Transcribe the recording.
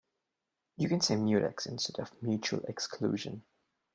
You can say mutex instead of mutual exclusion.